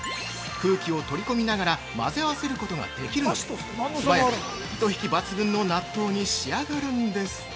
空気を取り込みながら混ぜ合わせることができるので、素早く糸引き抜群の納豆に仕上がるんです。